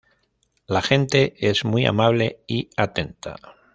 La gente es muy amable y atenta.